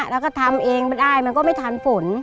แล้วก็ทำเองมันได้มันก็ไม่ทันฝน